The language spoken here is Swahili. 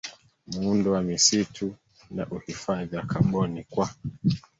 muundo wa misitu na uhifadhi wa kaboni kwa